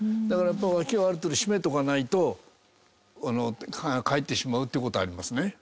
だからやっぱり脇をある程度締めとかないと返ってしまうという事はありますね。